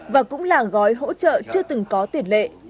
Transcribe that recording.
và cũng là gói hỗ trợ chưa từng có tiền lệ